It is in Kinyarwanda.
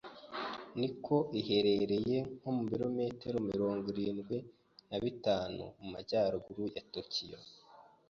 Nikko iherereye nko mu bilometero mirongo irindwi na bitanu mu majyaruguru ya Tokiyo.